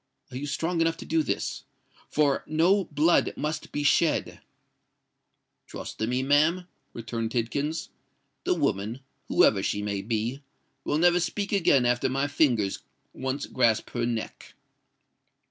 Are you strong enough to do this?—for no blood must be shed." "Trust to me, ma'am," returned Tidkins. "The woman—whoever she may be—will never speak again after my fingers once grasp her neck."